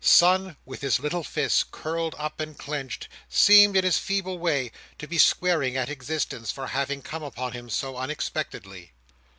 Son, with his little fists curled up and clenched, seemed, in his feeble way, to be squaring at existence for having come upon him so unexpectedly.